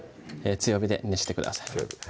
強火で熱してください